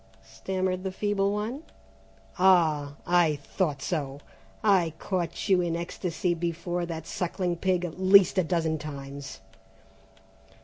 stammered the feeble one. "Ah I thought so! I caught you in ecstasy before that sucking pig at least a dozen times!"